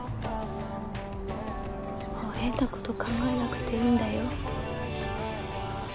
もう変なこと考えなくていいんだよ。